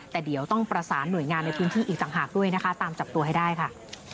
แต่เดี๋ยวต้องประสานหน่วยงานในพื้นที่อีกต่างหากด้วยนะคะตามจับตัวให้ได้ค่ะ